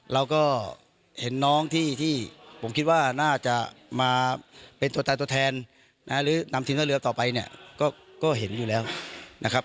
เราก็เห็นน้องที่ผมคิดว่าน่าจะมาเป็นตัวตายตัวแทนหรือนำทีมท่าเรือต่อไปเนี่ยก็เห็นอยู่แล้วนะครับ